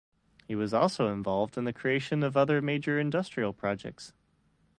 He was also involved in the creation of other major industrial projects.